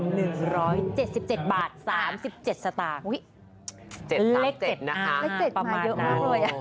เห้ย๗๓๗มาเยอะมากเลย